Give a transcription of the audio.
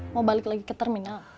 mau balik lagi ke terminal